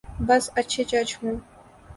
بس اچھے جج ہوں۔